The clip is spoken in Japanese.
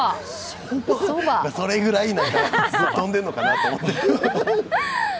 それぐらいぶっ飛んでんのかなと思って。